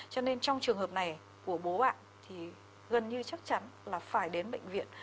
cho nên trong trường hợp này của bố ạ thì gần như chắc chắn là phải đến bệnh viện